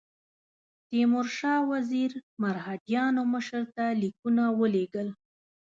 تیمورشاه وزیر مرهټیانو مشر ته لیکونه ولېږل.